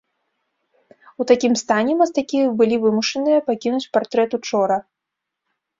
У такім стане мастакі былі вымушаныя пакінуць партрэт учора.